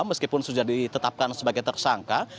meskipun sudah ditetapkan sebagai tersangka